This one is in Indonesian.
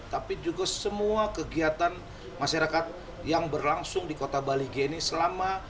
tapi juga semua kegiatan masyarakat yang berlangsung di kota bali g ini selama